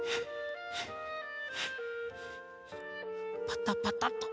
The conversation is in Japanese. パタパタと。